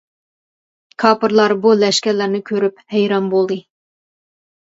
كاپىرلار بۇ لەشكەرلەرنى كۆرۈپ ھەيران بولدى.